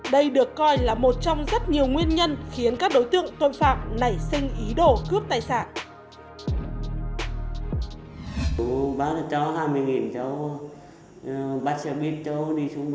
đây được coi là một trong rất nhiều nguyên nhân khiến các đối tượng tội phạm nảy sinh ý đồ cướp tài sản